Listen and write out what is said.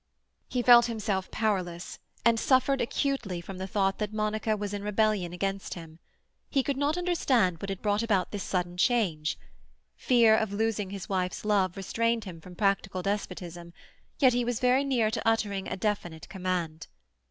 He felt himself powerless, and suffered acutely from the thought that Monica was in rebellion against him. He could not understand what had brought about this sudden change. Fear of losing his wife's love restrained him from practical despotism, yet he was very near to uttering a definite command.